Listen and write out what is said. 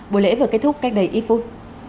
bộ lễ vừa kết thúc cách đây ít phút